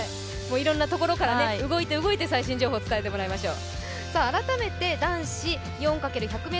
いろんなところから動いて動いて最新情報伝えてもらいましょう。